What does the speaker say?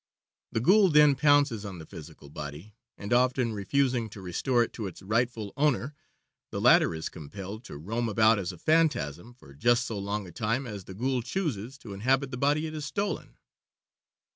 The ghoul then pounces on the physical body, and, often refusing to restore it to its rightful owner, the latter is compelled to roam about as a phantasm for just so long a time as the ghoul chooses to inhabit the body it has stolen.